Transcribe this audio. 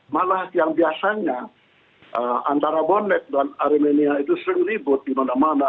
malah yang biasanya antara bonnet dan ariminia itu sering ribut dimana mana